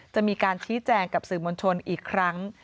จะมีการชี้แจงกับสื่อมวลชนอีกครั้ง